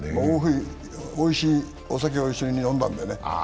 おいしいお酒を一緒に飲んだんでね。